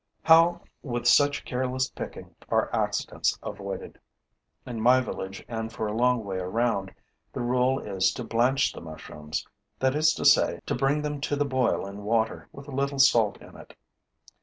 How, with such careless picking, are accidents avoided? In my village and for a long way around, the rule is to blanch the mushrooms, that is to say, to bring them to the boil in water with a little salt in it.